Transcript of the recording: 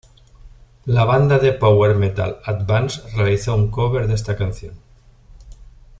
La banda de Power Metal At Vance realizó un cover de esta canción.